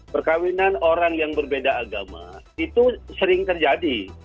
perkawinan orang yang berbeda agama itu sering terjadi